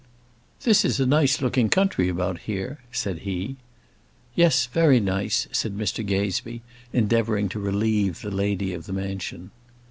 "This is a nice looking country about here," said he. "Yes; very nice," said Mr Gazebee, endeavouring to relieve the lady of the mansion.